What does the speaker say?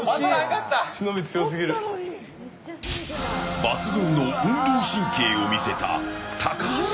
抜群の運動神経を見せた高橋。